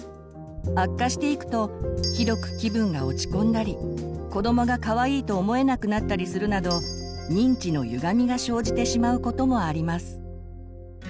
悪化していくとひどく気分が落ち込んだり子どもがかわいいと思えなくなったりするなど認知のゆがみが生じてしまうこともあります。